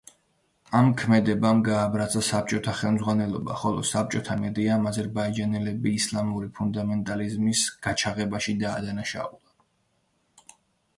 ამ ქმედებამ გააბრაზა საბჭოთა ხელმძღვანელობა, ხოლო საბჭოთა მედიამ აზერბაიჯანელები „ისლამური ფუნდამენტალიზმის გაჩაღებაში“ დაადანაშაულა.